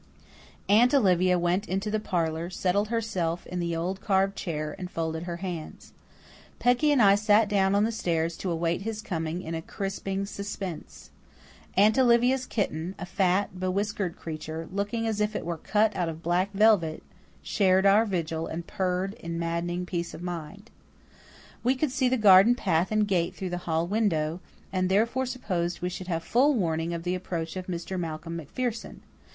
Aunt Olivia went into the parlour, settled herself in the old carved chair, and folded her hands. Peggy and I sat down on the stairs to await his coming in a crisping suspense. Aunt Olivia's kitten, a fat, bewhiskered creature, looking as if it were cut out of black velvet, shared our vigil and purred in maddening peace of mind. We could see the garden path and gate through the hall window, and therefore supposed we should have full warning of the approach of Mr. Malcolm MacPherson.